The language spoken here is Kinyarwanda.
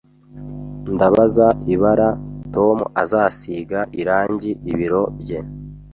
Ndabaza ibara Tom azasiga irangi ibiro bye